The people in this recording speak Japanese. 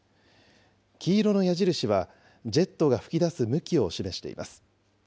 黄色の矢印は、ジェットが噴き出す向きを示しています。